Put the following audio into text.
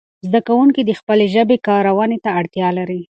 زده کوونکي د خپلې ژبې کارونې ته اړتیا لري.